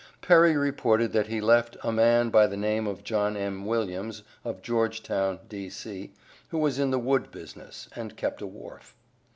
Perry reported that he left "a man by the name of John M. Williams, of Georgetown, D.C., who was in the wood business, and kept a wharf."